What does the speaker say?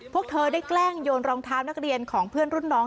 พวกเธอได้แกล้งโยนรองเท้านักเรียนของเพื่อนรุ่นน้อง